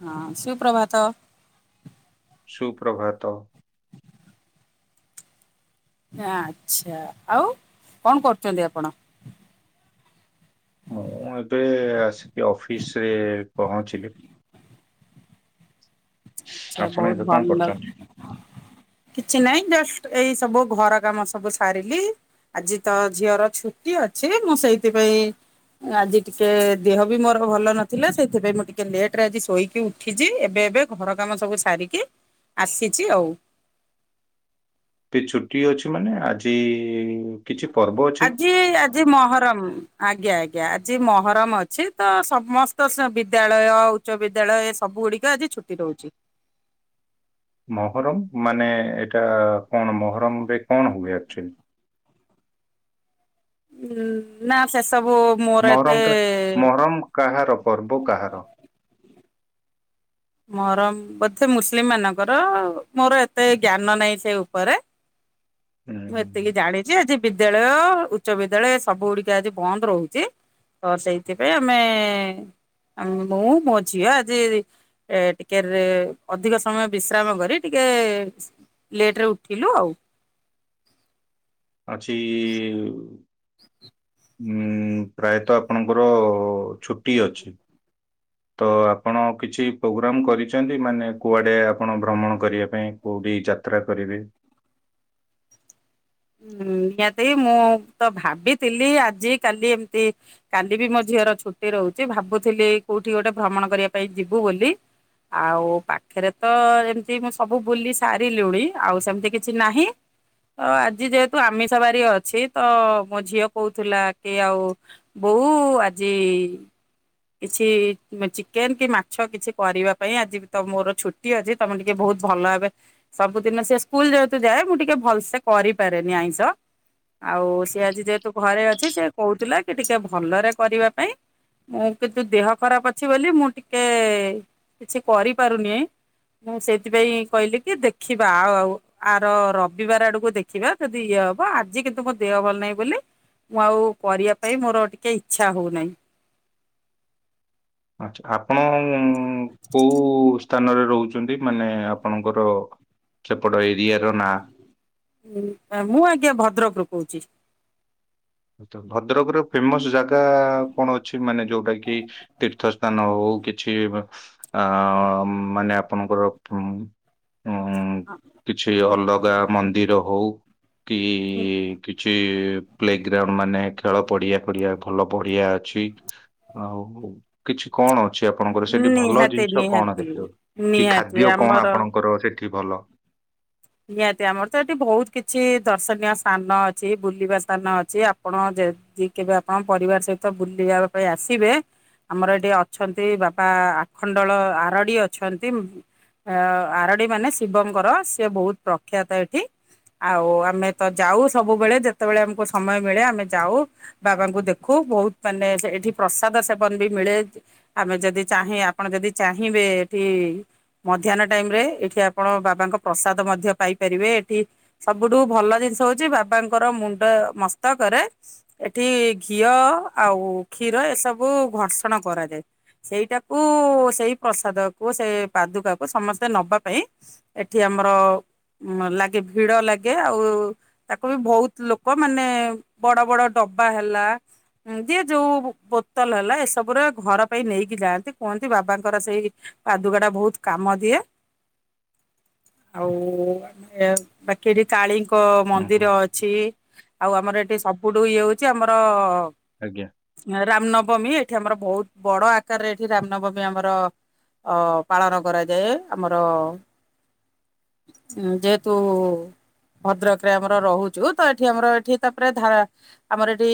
ହଁ ସୁପ୍ରଭାତ। ସୁପ୍ରଭାତ। ଆଚ୍ଛା ଆଉ କଣ କରୁଚନ୍ତି ଆପଣ। ମୁଁ ଏବେ ଆସିକି ଅଫିସରେ ପହଞ୍ଚିଲି। ଆଚ୍ଛା ଆପଣ ବହୁତ୍ ଏବେ କଣ ଭଲ। କରୁଛନ୍ତି? କିଛି ନାଇଁ ଜଷ୍ଟ ଏଇ ସବୁ ଘର କାମ ସବୁ ସାରିଲି। ଆଜି ତ ଝିଅର ଛୁଟି ଅଛି ମୁଁ ସେଇଥିପାଇଁ। ଉଁ ଆଜି ଟିକେ ଦେହ ବି ମୋର ଭଲ ନଥିଲା ସେଇଥିପାଇଁ ମୁଁ ଟିକେ ଲେଟରେ ଆଜି ଶୋଇକି ଉ। ଉଠିଚି ଏବେ ଏବେ ଘର କାମ ସବୁ ସାରିକି ଆସିଚି ଆଉ। ଟି ଛୁଟି ଅଛି ମାନେ ଆଜି କିଛି ପର୍ବ ଅଛି। ଇ ଆଜି ମହରମ୍ ଆଜ୍ଞା ଆଜ୍ଞା ଆଜି ମହରମ୍ ଅଛି ତ ସମ। ତ ସବୁ ବିଦ୍ୟାଳୟ ଉଚ୍ଚ ବିଦ୍ୟାଳୟ ଏ ସବୁଗୁଡିକ ଆଜି ଛୁଟି ଦୋଉଚି। ମହରମ୍ ମାନେ ଏଇଟା କଣ ମହରମରେ କଣ ହୁଏ ଆକ୍ଚୁଆଲି। ଉଁ ନା ସେସବୁ ମୋର ଏତେ। ମହରମଟା ମହରମ କାହାର ପର୍ବ କାହାର। ମହରମ୍ ବୋଧେ ମୁସ୍ଲିମମାନଙ୍କର ମୋର ଏତେ ଜ୍ଞାନ ନାଇଁ ସେ ଉପରେ। ହୁଁ ମୁଁ ହୁଁ ଏତିକି ଜାଣିଚି ଆଜି। ବିଦ୍ୟାଳୟ ଉଚ୍ଚ ବିଦ୍ୟାଳୟ ସବୁଗୁଡିକ ଆଜି ବନ୍ଦ ରହୁଚି। ତ ସେଇଥିପାଇଁ ଆମେ ମୁଁ ମୋ ଝିଅ ଆଜି ଏ ଟିକେ ରେ ଅଧିକ ସମୟ ବିଶ୍ରାମ କରି ଟିକେ ଲେଟ୍ ରେ ଉଠିଲୁ ଆଉ। ଅଛି ଉଁ ପ୍ରାୟତଃ ଆପଣଙ୍କର ଛୁଟି ଅଛି। ତ ଆପଣ କିଛି ପ୍ରୋଗ୍ରାମ କରିଛନ୍ତି। ମାନେ କୁଆଡ଼େ ଆପଣ ଭ୍ରମଣ କରିବା ପାଇଁ? କୋଉଠି ଯାତ୍ରା କରିବେ? ହୁଁ ନିଆତି ମୁଁ ତ ଭାବିଥିଲି ଆଜି କାଲି ଏମିତି କାଲି ବି ମୋ ଝିଅର ଛୁଟି ରହୁଛି। ଭାବୁଥିଲି କୋଉଠି ଗୋଟେ ଭ୍ରମଣ କରିବା ପାଇଁ ଯିବୁ ବୋଲି। ଆଉ ପାଖେରେ ତ ଏମ୍ତି ମୁଁ ସବୁ ବୁଲି ସାରିଲୁଣି। ଆଉ ସେମିତି କିଛି ନାହିଁ। ତ ଆଜି ଯେହେତୁ ଆମିଷ ବାରି ଅଛି ତ ମୋ ଝିଅ କହୁଥିଲା କି ଆଉ ବୋଉ ଆଜି କିଛି ଚିକେନ୍ କି ମାଛ କିଛି କରିବା ପାଇଁ ଆଜି ତ ମୋର ଛୁଟି ଅଛି। ତମେ ଟିକେ ବହୁତ ଭଲ ଭାବେ ସବୁଦିନ ସେ ସ୍କୁଲ ଯେହେତୁ ଯାଏ ମୁଁ ଟିକେ ଭଲ୍ ସେ କରିପାରେନି ଆଇଁଷ। ଆଉ ସିଏ ଆଜି ଯେହେତୁ ଘରେ ଅଛି ସେ କହୁଥିଲା କି ଟିକେ ଭଲରେ କରିବା ପାଇଁ। ମୁଁ କିନ୍ତୁ ଦେହ ଖରାପ ଅଛି ବୋଲି ମୁଁ ଟିକେ କିଛି କରିପାରୁନି। ମୁଁ ସେଇଥିପାଇଁ କହିଲି କି ଦେଖିବା ଆ ଆଉ ଆର ରବିବାର ଆଡକୁ ଦେଖ୍ ଖିବା ଯଦି ଇଏ ହବ ଆଜି କିନ୍ତୁ ମୋ ଦେହ ଭଲ ନାହିଁ ବୋଲି ମୁଁ ଆଉ କରିବା ପାଇଁ ମୋର ଟିକେ ଇଛା ହଉନାହିଁ। ଆଛା ଆପଣ କୋଉ କେଉଁ ସ୍ଥାନରେ ରହୁଛନ୍ତି ମାନେ ଆପଣଙ୍କର ସେପଟ ଏରିଆ ର ନାଁ? ହଁ ମୁଁ ଆଜ୍ଞା ଭଦ୍ରକରୁ କହୁଛି। ତ ଭଦ୍ରକର ଫେମସ ଜାଗା କଣ ଅଛି? ମାନେ ଯୋଉଟା କି ତୀର୍ଥ ସ୍ଥାନ ହଉ କିଛି ବ ଆ ମାନେ ଆପଣଙ୍କର ପୁଁ ହଁ। କିଛି ଅଲଗା ମନ୍ଦିର ହଉ କି, କିଛି ପ୍ଲେ୍ ମାନେ ଖେଳ ପଡିଆ ପଡିଆ ଭଲ ପଢିଆ ଅଛି। ଆଉ କିଛି କଣ ଅଛି ଆପଣଙ୍କର ସେଠି ଭଲ ନିହାତି ଜିନିଷ କଣ ନିହାତି ଦେଖିବାକୁ? କି ନିହାତି ଖାଦ୍ୟ କଣ ଆମର ଆପଣଙ୍କର ସେଠି ଭଲ? ନିହାତି ଆମର ତ ଏଠି ବହୁତ୍ କିଛି ଦର୍ଶନୀୟ ସ୍ଥାନ ଅଛି। ବୁଲିବା ସ୍ଥାନ ଅଛି। ଆପଣ ଯେ ଯଦି କେବେ ଆପଣ ପରିବାର ସହିତ ବୁଲିବାବା ପାଇଁ ଆସିବେ ଆମର ଏଠି ଅଛନ୍ତି ବାପା ଆଖଣ୍ଡଳ ଆରଡ଼ି ଅଛନ୍ତି। ଅ ଆରଡି ମାନେ ଶିବଙ୍କର ସେ ବହୁତ୍ ପ୍ରଖ୍ୟାତ ଏଠି। ଆଉ ଆମେ ତ ଯାଉ ସବୁବେଳେ ଯେତେବଳେ ଆମକୁ ସମୟ ମିଳେ ଆମେ ଯାଉ। ବାବାଙ୍କୁ ଦେଖୁ ବହୁତ ମାନେ ଏଠି ପ୍ରସାଦ ସେବନ ବି ମିଳେ। ଆମେ ଯଦି ଚାହିଁ ଆପଣ ଯଦି ଚାହିଁବେ ଏଠି ମଧ୍ୟାହ୍ନ ଟାଇମ୍ ରେ ଏଠି ଆପଣ ବାବାଙ୍କ ପ୍ରସାଦ ମଧ୍ୟ ପାଇପାରିବେ ଏଠି ସବୁଠୁ ଭଲ ଜିନିଷ ହଉଛି ବାବାଙ୍କର ମୁଣ୍ଡ ମସ୍ତକରେ ଏଠି ଘିଅ ଆଉ କ୍ଷୀର ଏସବୁ ଘର୍ଷଣ କରାଯାଏ। ସେଇଟାକୁ ସେଇ ପ୍ରସାଦକୁ ସେ ପାଦୁକା କୁ ସମସ୍ତେ ନବା ପାଇଁ ଏଠି ଆମର ଉଁ ମ ଲାଗେ ଭିଡ ଲାଗେ ଆଉ ତାକୁ ବି ଭଉତ୍ ଲୋକ ମାନେ ବଡ ବଡ ଡବା ହେଲା ଉଁ ଯିଏ ଯୋଉ ବୋତଲ୍ ହେଲା ଏସବୁରେ ଘର ପାଇଁ ନେଇକି ଯାଆନ୍ତି କୁହନ୍ତି ବାବାଙ୍କର ସେଇ ପାଦୁକା ଟା ବହୁତ୍ କାମ ଦିଏ ଆଉ ବା ମାନେ ବାକି ଏଠି କାଳୀଙ୍କ ହୁଁ ହୁଁ ମନ୍ଦିର ଅଛି। ଆଉ ଆମର ଏଠି ସବୁଠୁ ଇଏ ହଉଛି ଆମର ଆଜ୍ଞା। ରାମନବମୀ ଏଠି ଆମର ବହୁତ ବଡ ଆକାରରେ ଏଠି ରାମନବମୀ ଆମର ଅ ପାଳନ କରାଯାଏ ଆମର ଉଁ ଯେହେତୁ ଭଦ୍ରକରେ ଆମର ରହୁଛୁ ତ ଏଠି ଆମର ଏଠି ତାପରେ ଧାରା ଆମର ଏଠି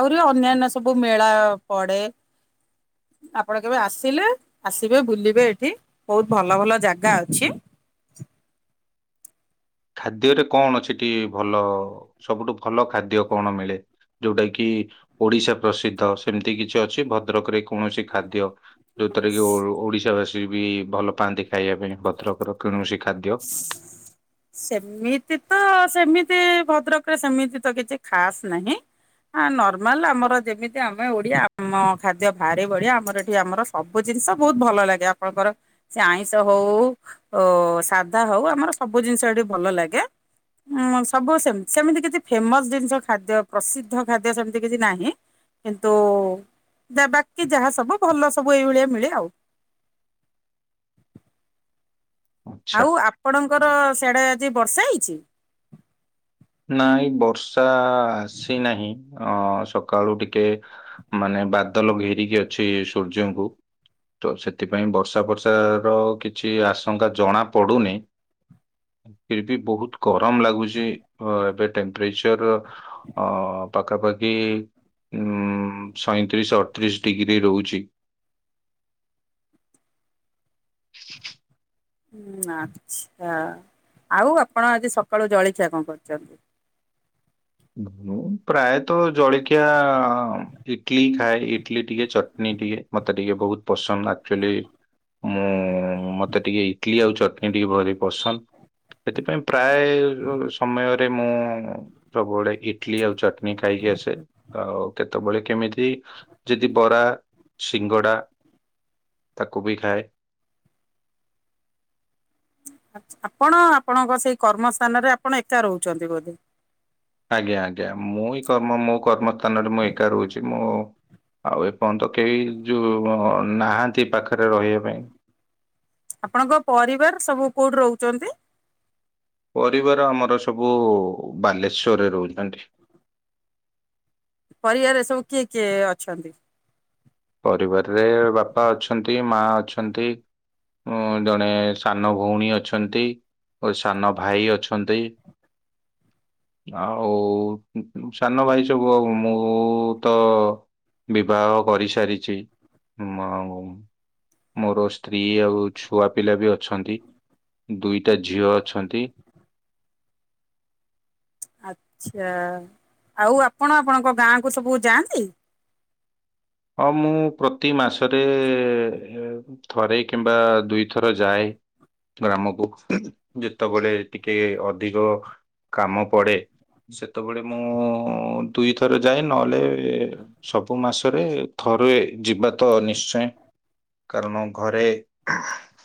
ଆହୁରି ଅନ୍ୟାନ୍ୟ ସବୁ ମେଳା ପଡେ। ଆପଣ କେବେ ଆସିଲେ ଆସିବେ ବୁଲିବେ ଏଠି ବହୁତ ଭଲ ଭଲ ଜାଗା ଅଛି। ଖାଦ୍ୟରେ କଣ ଅଛି ଏଠି ଭଲ ସବୁଠୁ ଭଲ ଖାଦ୍ୟ କଣ ମିଳେ? ଯୋଉଟା କି ଓଡିଶା ପ୍ରସିଦ୍ଧ ସେମିତି କିଛି ଅଛି ଭଦ୍ରକରେ କୌଣସି ଖାଦ୍ୟ? ଯୋଉଥିରେ କି ଓ ଓଡିଶା ବାସୀ ବି ଭଲ ପାଆନ୍ତି ଖାଇବା ପାଇଁ ଭଦ୍ରକର କୌଣସି ଖାଦ୍ୟ। [inaudible] ସେମିତି ତ ସେମିତି ଭଦ୍ରକରେ ସେମିତି ତ କିଛି ଖାସ ନାହିଁ। ହଁ ନର୍ମାଲ ଆମର ଯେମିତି ଆମେ ଓଡିଆ ଆମ ଖାଦ୍ୟ ଭାରି ବଢିଆ ଆମର ଏଠି ଆମର ସବୁ ଜିନିଷ ବହୁତ ଭଲ ଲାଗେ ଆପଣଙ୍କର ସେ ଆଇଁଷ ହଉ ଓ ସା ଧା ହଉ ଆମର ସବୁ ଜିନିଷ ଏଠି ଭଲ ଲାଗେ। ଉଁ ସବୁ ସେମିତି ସେମିତି କିଛି ଫେମସ ଜିନିଷ ଖାଦ୍ୟ ପ୍ରସିଦ୍ଧ ଖାଦ୍ୟ ସେମିତି କିଛି ନାହିଁ। କିନ୍ତୁ ଯା ବାକି ଯାହା ସବୁ ଭଲ ସବୁ ଏଇଭଳିଆ ମିଳେ ଆଉ। ଆଚ୍ଛା ଆଉ ଆପଣଙ୍କର ସିଆଡେ ଆଜି ବର୍ଷା ହେଇଛି? ନାଇଁ ବର୍ଷା ଆସିନାହିଁ ଅ ସକାଳୁ ଟିକେ ମାନେ ବାଦଲ ଘେରିକି ଅଛି ସୂର୍ଯ୍ୟଙ୍କୁ। ତ ସେଥିପାଇଁ ବର୍ଷା ଫର୍ଷା ର କିଛି ଆଶଙ୍କା ଜଣା ପଡୁନି। ଫିର ବି ବହୁତ ଗରମ ଲାଗୁଛି ଅ ଏବେ ଟେମ୍ପ୍ରେଚର ଅ ପାଖାପାଖି ଉ ସଇଁତିରିଶି ଅଠତିରିଶି ଡିଗ୍ରୀ ରହୁଛି। ହୁଁ ଆଚ୍ଛା ଆଉ ଆପଣ ଆଜି ସକାଳୁ ଜଳଖିଆ କଣ କରିଚନ୍ତି? ଧୁନୁ ପ୍ରାୟତଃ ଜଳିଖିଆ ଇଟଲିି ଖାଏ ଇଟଲି ଟିକେ ଚଟନୀ ଟିକେ ମତେ ଟିକେ ବହୁତ ପସନ୍ଦ ଆକ୍ଚୁଆଲି ମୁଁ ମତେ ଟିକେ ଇଟଲିି ଆଉ ଚଟନୀ ଟିକେ ଭାରି ପସନ୍ଦ। ଏଥିପାଇଁ ପ୍ରାୟେ ସମୟରେ ମୁଁ ସବୁବେଳେ ଇଟଲି ଆଉ ଚଟନୀ ଖାଇକି ଆସେ ଆଉ କେତେବେଳେ କେମିତି ଯଦି ବରା ସିଙ୍ଗଡା ତାକୁ ବି ଖାଏ। ଆଚ୍ଛା ଆପଣ ଆପଣଙ୍କ ସେଇ କର୍ମସ୍ଥାନରେ ଆପଣ ଏକା ରହୁଛନ୍ତି ବୋଧେ? ଆଜ୍ଞା ଆଜ୍ଞା ମୁଁ ଇ କର୍ମ ମୋ କର୍ମସ୍ଥାନରେ ମୁଁ ଏକା ରହୁଛି ମୁଁ ଆଉ ଏପର୍ଯ୍ୟନ୍ତ କେହି ଯୋଉ ନାହାଁନ୍ତି ପାଖରେ ରହିବା ପାଇଁ। ଆପଣଙ୍କ ପରିବାର ସବୁ କୋଉଠି ରହୁଛନ୍ତି? ପରିବାର ଆମର ସବୁ ବାଲେଶ୍ଵରରେ ରହୁଛନ୍ତି। ପରିବାରେ ସବୁ କିଏ କିଏ ଅଛନ୍ତି? ପରିବାରରେ ବାପା ଅଛନ୍ତି ମା ଅଛନ୍ତି। ଉଁ ଜଣେ ସାନ ଭଉଣୀ ଅଛନ୍ତି ଓ ସାନ ଭାଇ ଅଛନ୍ତି। ଆଉ ସାନ ଭାଇ ସବୁ ଆଉ ମୁଁ ତ ବିବାହ କରିସାରିଛି ହୁଁ ମାଉଁ ମୋର ସ୍ତ୍ରୀ ଆଉ ଛୁଆ ପିଲା ବି ଅଛନ୍ତି। ଦୁଇଟା ଝିଅ ଅଛନ୍ତି। ଆଚ୍ଛା ଆଉ ଆପଣ ଆପଣଙ୍କ ଗାଁ କୁ ସବୁ ଯାଆନ୍ତି? ହଁ ମୁଁ ପ୍ରତି ମାସରେ ହେ ଥରେ କିମ୍ବା ଦୁଇଥର ଯାଏ। ଗ୍ରାମକୁ ଯେତେବେଳେ ଟିକେ ଅଧିକ କାମ ପଡ଼େ ସେତେବେଳେ ମୁଁ ଦୁଇଥର ଯାଏ ନହେଲେ ସବୁ ମାସରେ ଥରେ ଯିବା ତ ନିଶ୍ଚୟ। କାରଣ ଘରେ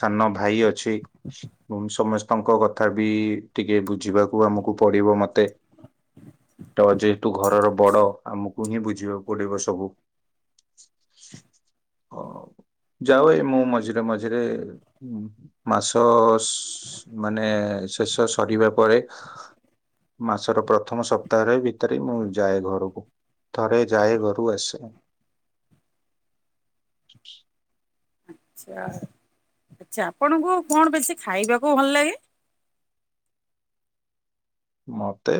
ସାନ ଭାଇ ଅଛି। [unintelligible] ସମସ୍ତଙ୍କ କଥା ବି ଟିକେ ବୁଝିବାକୁ ଆମକୁ ପଡ଼ିବ ମତେ। ତ ଯେହେତୁ ଘରର ବଡ଼ ଆମକୁ ହିଁ ବୁଝିବାକୁ ପଡ଼ିବ ସବୁ। ହଁ ଯାଉ ଏଇ ମୁଁ ମଝିରେ ମଝିରେ। ମାସ ସ୍ ମାନେ ଶେଷ ସରିବା ପରେ। ମାସର ପ୍ରଥମ ସପ୍ତାହରେ ଭିତରେ ହି ମୁଁ ଯାଏ ଘରକୁ। ଥରେ ଯାଏ ଘରକୁ ଆସେ ଆଉ। ଆଚ୍ଛା ଆଚ୍ଛା ଆପଣଙ୍କୁ କଣ ବେଶୀ ଖାଇବାକୁ ଭଲ ଲାଗେ? ମତେ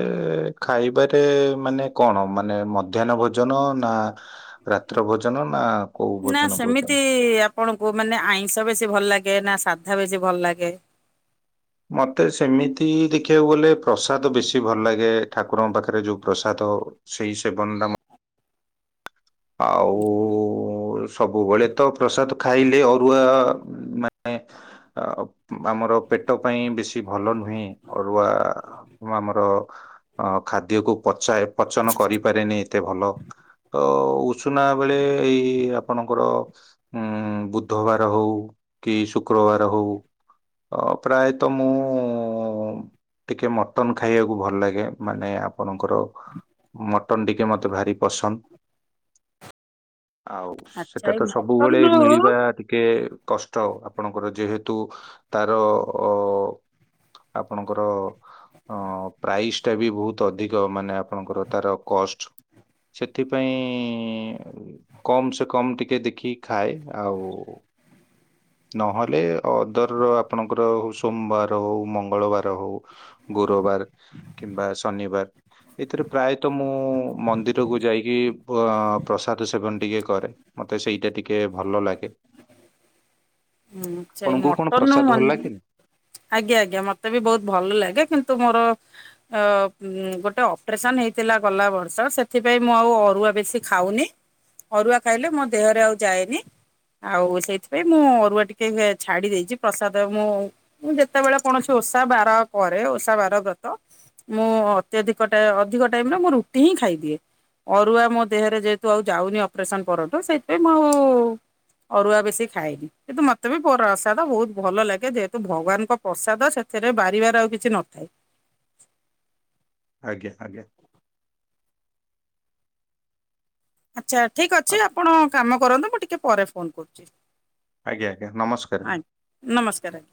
ଖାଇବାରେ ମାନେ କଣ ମାନେ ମଧ୍ୟାନ ଭୋଜନ ନା ରାତ୍ର ଭୋଜନ ନା କୋଉ ନା ଭୋଜନ କହୁଛନ୍ତି? ସେମିତି ଆପଣଙ୍କୁ ମାନେ ଆଇଁଷ ବେଶୀ ଭଲ ଲାଗେ ନା ସାଧା ବେଶୀ ଭଲ ଲାଗେ? ମତେ ସେମିତି ଦେଖିବାକୁ ଗଲେ ପ୍ରସାଦ ବେଶୀ ଭଲ ଲାଗେ ଠାକୁରଙ୍କ ପାଖରେ ଯୋଉ ପ୍ରସାଦ। ସେଇ ସେବନ ଟା ମ ଆଉ ସବୁବେଳେ ତ ପ୍ରସାଦ ଖାଇଲେ ଅରୁଆ ମାନେ ଆ ଆମର ପେଟ ପାଇଁ ବେଶୀ ଭଲ ନୁହେଁ ଅରୁଆ। [unintelligible] ଆମର ଅ ଖାଦ୍ୟକୁ ପଚାଏ ପଚନ କରିପାରେନି ଏତେ ଭଲ। ତ ଉଷୁନା ବେଳେ ଏଇ ଆପଣଙ୍କର ଉଁ ବୁଧବାର ହୋଉ କି ଶୁକ୍ରବାର ହୋଉ। ଅ ପ୍ରାୟତ ମୁଁ ଟିକେ ମଟନ ଖାଇବାକୁ ଭଲ ଲାଗେ ମାନେ ଆପଣଙ୍କର ମଟନ୍ ଟିକେ ମୋତେ ଭାରି ପସନ୍ଦ। ଆଉ ଆଚ୍ଛା ସେଟା ଏଇ ତ ସବୁବେଳେ ମଟନରୁ ମିଳିବା ଟିକେ କଷ୍ଟ ଆପଣଙ୍କର ଯେହେତୁ ତାର ଅ ଆପଣଙ୍କର ହଁ ପ୍ରାଇସ୍ ଟା ବି ବୋହୁତ ଅଧିକ ମାନେ ଆପଣଙ୍କର ତାର କଷ୍ଟ୍ ସେଥିପାଇଁ ଇଁ କମ୍ ସେ କମ୍ ଟିକେ ଦେଖିକି ଖାଏ ଆଉ ନହେଲେ ଅଦର ଆପଣଙ୍କର ଯୋଉ ସୋମବାର ହୋଉ ମଙ୍ଗଳବାର ହୋଉ। ଗୁରବାର କିମ୍ବା ଶନିବାର। ଏଇଥିରେ ପ୍ରାୟତଃ ମୁଁ ମନ୍ଦିରକୁ ଯାଇକି ପଁ ପ୍ରସାଦ ସେବନ ଟିକେ କରେ। ମତେ ସେଇଟା ଟିକେ ଭଲ ଲାଗେ। ହୁଁ ସେଇ ଆପଣଙ୍କୁ କଣ ମଟନରୁ ପ୍ରସାଦ ଭଲ ମନେ ଲାଗେନି [unintelligible] ଆଜ୍ଞା ଆଜ୍ଞା ମତେ ବି ବହୁତ ଭଲ ଲାଗେ କିନ୍ତୁ ମୋର ଅ ଗୋଟେ ଅପରେସନ ହେଇଥିଲା ଗଲା ବର୍ଷ ସେଥିପାଇଁ ମୁଁ ଆଉ ଅରୁଆ ବେଶୀ ଖାଉନି। ଅରୁଆ ଖାଇଲେ ମୋ ଦେହରେ ଆଉ ଯାଏନି ଆଉ ସେଇଥିପାଇଁ ମୁଁ ଅରୁଆ ଟିକେ ଛାଡ଼ି ଦେଇେଇଛି ପ୍ରସାଦ ମୁଁ ମୁଁ ଯେତେବେଳେ କୌଣସି ଓଷା ବାର କରେ ଓଷା ବାର ଗତ ମୁଁ ଅତ୍ୟଧିକ ଅଧିକ ଟାଇମ୍ ରେ ମୁଁ ରୁଟି ହିଁ ଖାଇଦିଏ। ଅରୁଆ ମୋ ଦେହରେ ଯେହେତୁ ଆଉ ଯାଉନି ଅପରେସନ ପରଠୁ ସେଇଥିପାଇଁ ମୁଁ ଆଉ ଅରୁଆ ବେଶୀ ଖାଏନି କିନ୍ତୁ ମତେ ବି ପ୍ରସାଦ ବହୁତ ଭଲ ଲାଗେ ଯେହେତୁ ଭଗବାନଙ୍କ ପ୍ରସାଦ ସେଥିରେ ବାରିବାର ଆଉ କିଛି ନଥାଏ। ଆଜ୍ଞା ଆଜ୍ଞା ଆଚ୍ଛା ଠିକ୍ ଅଛି ଆ- ଆପଣ କାମ କରନ୍ତୁ ମୁଁ ଟିକଏ ପରେ ଫୋନ୍ କରୁଛି। ଆଜ୍ଞା ଆଜ୍ଞା ନମସ୍କାର। ଆଜ୍ଞା ନମସ୍କାର ଆଜ୍ଞା